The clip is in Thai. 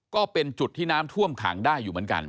ก็เป็นจุดที่น้ำท่วมขังได้อยู่เหมือนกัน